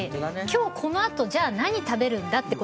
今日このあと何食べるんだ？って